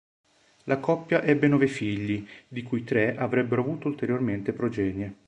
La coppia ebbe nove figli, di cui tre avrebbero avuto ulteriormente progenie.